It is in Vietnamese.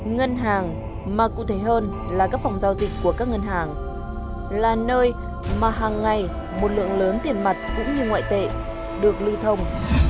ngân hàng mà cụ thể hơn là các phòng giao dịch của các ngân hàng là nơi mà hàng ngày một lượng lớn tiền mặt cũng như ngoại tệ được lưu thông